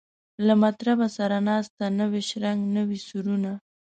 له مطربه سره نسته نوی شرنګ نوي سورونه